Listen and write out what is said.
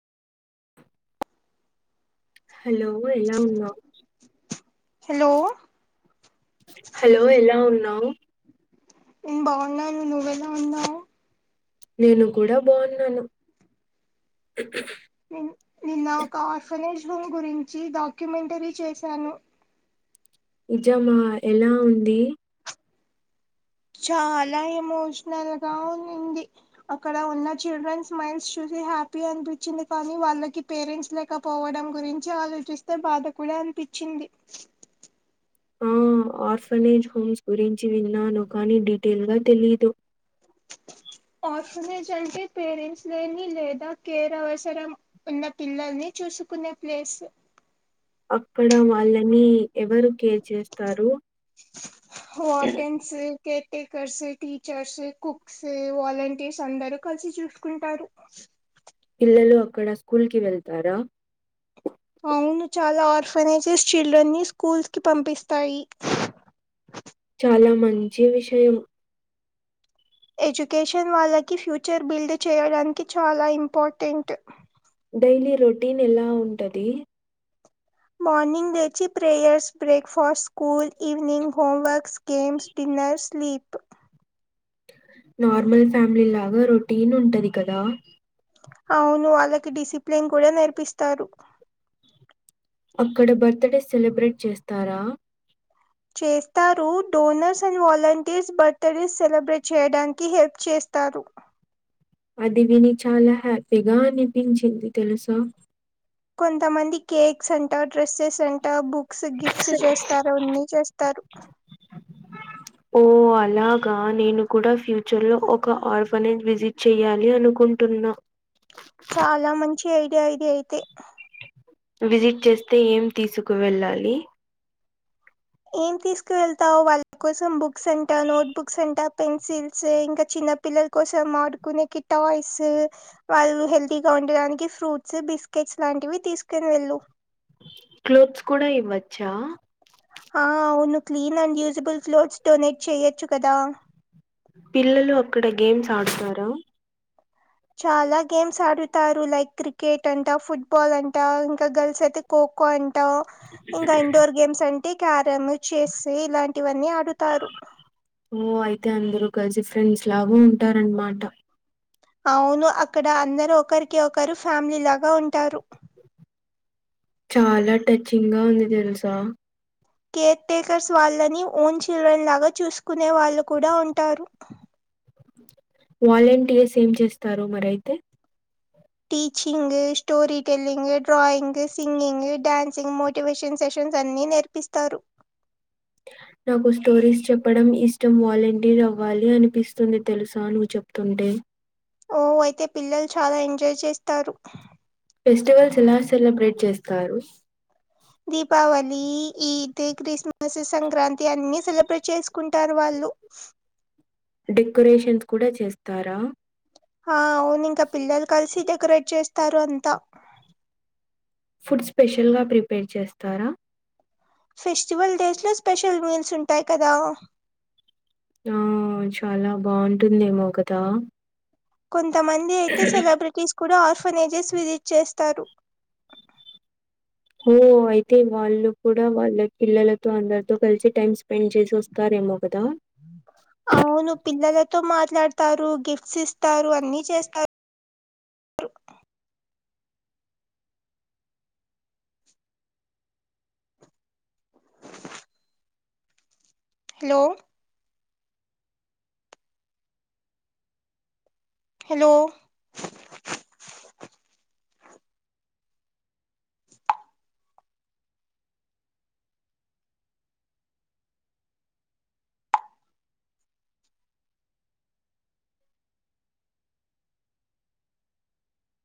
Hello ఎలా ఉన్నావ్ hello hello ఎలా ఉన్నావ్ నెన్ బాన్నాను నువ్వెలా ఉన్నావ్ నేను కూడా బాన్నాను నిన్ నిన్న ఒక ఆర్ఫనేజ్ హోమ్ గురించి డాక్యుమెంటరీ చేశాను నిజమా ఎలా ఉంది చాలా ఎమోషనల్ గా ఉంనింది అక్కడ ఉన్న చిల్డ్రన్ స్మైల్స్ చూసి హ్యాపీ అనిపించింది కానీ వాళ్ళకి పేరెంట్స్ లేక పోవడం గురించి ఆలోచిస్తే బాధ కూడా అనిపించింది ఆ ఆర్ఫనేజ్ హోమ్స్ గురించి విన్నాను కానీ డీటెయిల్ గా తెలీదు ఆర్ఫనేజెస్ అంటే పేరెంట్స్ లేని లేదా కేర్ అవసరం ఉన్న పిల్లల్ని చూసుకునే ప్లేస్ అక్కడ వాళ్ళని ఎవరు కేర్ చేస్తారు స్ కేర్ టేకర్స్ టీచర్స్ కుక్ స్ వాలంటీర్స్ అందరు కలిసి చూసుకుంటారు పిల్లలు అక్కడ స్కూల్ కి వెళ్తారా అవును చాలా ఆర్ఫనేజెస్ చిల్డ్రన్ ని స్కూల్స్ కి పంపిస్తాయి చాలా మంచి విషయం ఎడ్యుకేషన్ వాళ్ళకి ఫ్యూచర్ బిల్డ్ చేయడానికి చాలా ఇంపార్టెంట్ డైలీ రొటీన్ ఎలా ఉంటది మార్నింగ్ లేచి prayers breakfast school evening homeworks games dinner sleep normal family లాగా రొటీన్ ఉంటది కదా అవును వాళ్ళకి డిసిప్లిన్ కూడా నేర్పిస్తారు అక్కడ బర్త్ డే సెలబ్రేట్ చేస్తారా చేస్తారు donors and volunteers birthday celebrate చేయడానికి హెల్ప్ చేస్తారు అది విని చాలా హ్యాపీగా అనిపించింది తెలుసా కొంతమంది కేక్స్ అంట డ్రెస్సెస్ అంట బు క్స్ గిఫ్ట్స్ చేస్తారు అన్ని చేస్తారు ఓ అలాగా నేను కూడా ఫ్యూచర్ లో ఒక ఆర్ఫనేజ్ విజి చెయ్యాలి అనుకుంటున్నా చాలా మంచి ఐడియా ఇది అయితే విజిట్ చేస్తే ఏం తీసుకు వెళ్ళాలి? ఏం తీసుకు వెళ్తావు వాళ్ళ కోసం బుక్స్ అంట, నోట్ బుక్స్ అంట, పెన్సిల్స్ ఇంకా చిన్న పిల్లల కోసం ఆడుకునేకి టాయిస్ వాళ్ళు హెల్తీగా ఉండడానికి ఫ్రూట్స్, బిస్కెట్స్ లాంటివి తీసుకోని వెళ్ళు. క్లోత్స్ కూడా ఇవ్వచ్చా? ఆ అవును clean and usable clothes donate చెయొచ్చు కదా! పిల్లలు అక్కడ గేమ్స్ ఆడుతార? చాలా గేమ్స్ ఆడుతారు. లైక్ క్రికెట్ అంటా, ఫుట్బాల్ అంట, ఇంకా గర్ల్స్ అయితే, ఖోఖో అంటా ఇంకా ఇన్డోర్ గేమ్స్ అన్ అంటే క్యారమ్ చేస్ ఇలాంటివన్నీ ఆడుతారు. ఓ అయితే అందరూ కలిసి ఫ్రెండ్స్ లాగా ఉంటారన్నమాట. అవును అక్కడ అందరూ ఒకరికి ఒకరు ఫ్యామిలీ లాగా ఉంటారు. చాలా టచ్చింగ్ గా ఉంది తెలుసా! కేర్ టేకర్స్ వాళ్ళని ఓన్ చిల్డ్రన్ లాగా చూసుకునే వాళ్ళు కూడా ఉంటారు. వాలంటీయర్స్ ఏం చేస్తారు మరయితే? Teaching, story telling, drawing, singing, dancing, motivation sessions అన్ని నేర్ ప్పిస్తారు నాకు స్టోరీస్ చెప్పడం ఇష్టం. వాలంటీర్ అవ్వాలి అనిపిస్తుంది తెలుసా నువ్వు చెప్ తుంటే ఓ అయితే పిల్లలు చాలా ఎంజాయ్ చేస్తారు. ఫెస్టివల్స్ ఎలా సెలబ్రేట్ చేస్తారు? దీపావళి, ఈద్, క్రిస్మస్, సంక్రాంతి అన్ని సెలబ్రేట్ చేసుకుంటారు వాళ్ళు. డెక్కొరేషన్స్ కూడా చేస్తారా? హా అవును ఇంక పిల్లలు కలిసి డెకొరేట్ చేస్తారు అంతా. ఫుడ్ స్పెషల్ గా ప్రిపేర్ చేస్తారా? ఫెస్టివల్ డేస్ లో స్పెషల్ మీల్స్ ఉంటాయి కదా! ఆ చాలా బాగుంటుందేమో కదా కొంతమంది అయితే సెలబ్రిటీస్ కూడా ఆర్గనైసేస్ విజిట్ చేస్తారు. ఓహ్ అయితే వాళ్ళు కూడా వాళ్ళ పిల్లలతో అందరితో కలిసి టైమ్ స్పెండ్ చేసి వస్తారేమో కదా అవును పిల్లలతో మాట్లాడతారు. గిఫ్ట్స్ ఇస్తారు. అన్ని చేస్తారు. Hello hello